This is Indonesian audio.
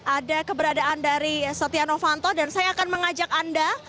ada keberadaan dari setia novanto dan saya akan mengajak anda